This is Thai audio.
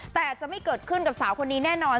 แต่จะไม่เกิดขึ้นกับสาวคนนี้แน่นอน